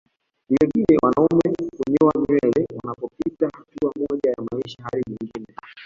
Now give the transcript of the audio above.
Vilevile wanaume hunyoa nywele wanapopita hatua moja ya maisha hadi nyingine